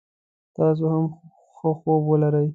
تاسو هم ښه خوب ولری